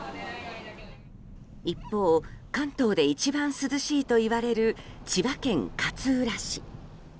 一方、関東で一番涼しいといわれる千葉県勝浦市。